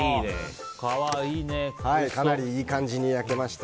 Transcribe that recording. かなりいい感じに焼けました。